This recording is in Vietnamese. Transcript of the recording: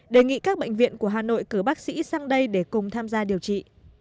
đề nghị các bệnh viện của hà nội cử bác sĩ sang đây để cùng tham gia điều trị